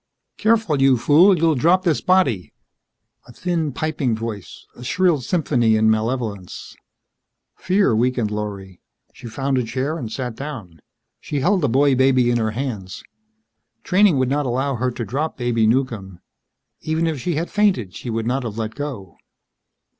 "Careful, you fool! You'll drop this body." A thin piping voice. A shrill symphony in malevolence. Fear weakened Lorry. She found a chair and sat down. She held the boy baby in her hands. Training would not allow her to drop Baby Newcomb. Even if she had fainted, she would not have let go.